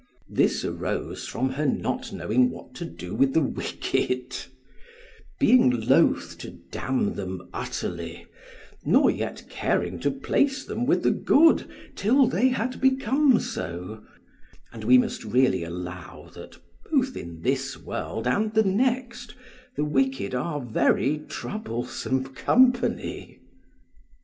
This arose from her not knowing what to do with the wicked, being loathed to damn them utterly, nor yet caring to place them with the good till they had become so; and we must really allow, that both in this world and the next, the wicked are very troublesome company.